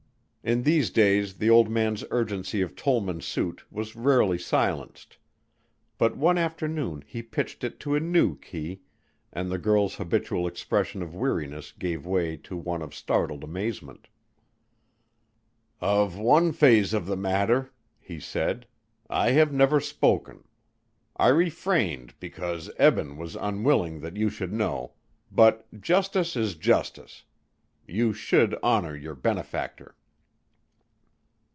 In these days the old man's urgency of Tollman's suit was rarely silenced, but one afternoon he pitched it to a new key, and the girl's habitual expression of weariness gave way to one of startled amazement. "Of one phase of the matter," he said, "I have never spoken. I refrained because Eben was unwilling that you should know, but justice is justice you should honor your benefactor."